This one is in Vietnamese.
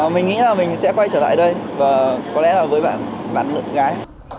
mình nghĩ là mình sẽ quay trở lại đây và có lẽ là với bạn nữ gái